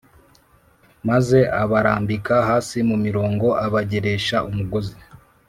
maze abarambika hasi mu mirongo abageresha umugozi